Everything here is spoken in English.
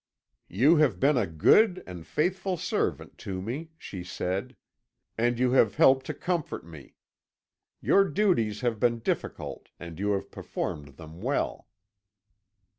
"'You have been a good and faithful servant to me,' she said, 'and you have helped to comfort me. Your duties have been difficult, and you have performed them well.'